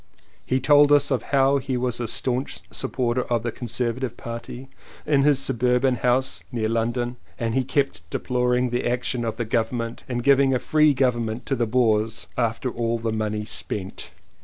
He told us how he was a staunch supporter of the Conserva tive party in his suburban house near London and he kept deploring the action of the Government in giving a free govern ment to the Boers after all the money spent.